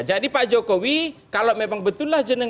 jadi pak jokowi kalau memang betullah jenengan ini